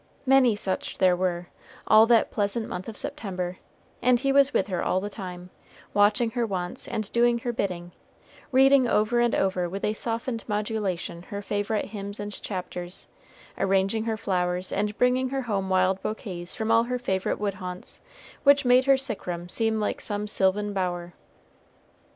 Many such there were, all that pleasant month of September, and he was with her all the time, watching her wants and doing her bidding, reading over and over with a softened modulation her favorite hymns and chapters, arranging her flowers, and bringing her home wild bouquets from all her favorite wood haunts, which made her sick room seem like some sylvan bower.